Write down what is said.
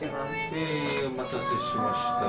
えお待たせしました。